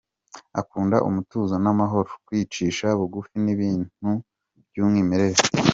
Akunda umutuzo n’amahoro, kwicisha bugufi n’ibintu by’umwimerere.